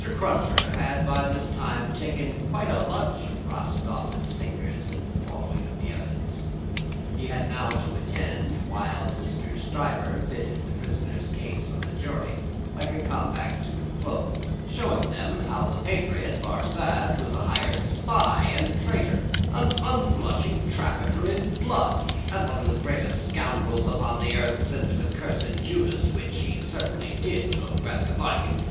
Cruncher had by this time taken quite a lunch of rust off his fingers in his following of the evidence. He had now to attend while Mr. Stryver fitted the prisoner's case on the jury, like a compact suit of clothes; showing them how the patriot, Barsad, was a hired spy and traitor, an unblushing trafficker in blood, and one of the greatest scoundrels upon earth since accursed Judas which he certainly did look rather like.